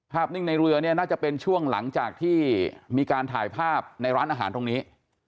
นิ่งในเรือเนี่ยน่าจะเป็นช่วงหลังจากที่มีการถ่ายภาพในร้านอาหารตรงนี้